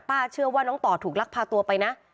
เชื่อว่าน้องต่อถูกลักพาตัวไปนะ